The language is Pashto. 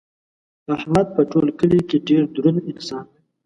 احمد په ټول کلي کې ډېر دروند انسان دی.